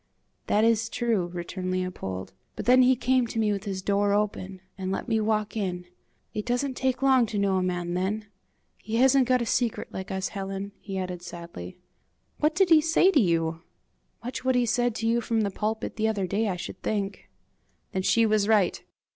"That is true," returned Leopold; "but then he came to me with his door open, and let me walk in. It doesn't take long to know a man then. He hasn't got a secret like us, Helen," he added, sadly. "What did he say to you?" "Much what he said to you from the pulpit the other day, I should think." Then she was right!